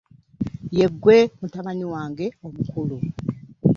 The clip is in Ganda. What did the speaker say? Ye ggwe mutabani wange omukulu.